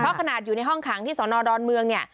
เพราะขนาดอยู่ในห้องขังที่สอนอดอนเมืองเนี่ย